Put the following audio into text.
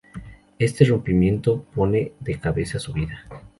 Este rompimiento pone de cabeza su vida.